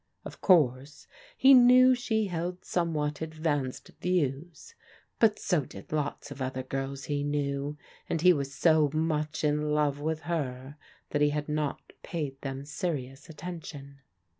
Of course, he knew she held somewhat advanced views, but so did lots of other girls he knew, and he was so much m love with her that he had not paid them serious atten tion.